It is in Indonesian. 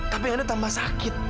tapi edo tambah sakit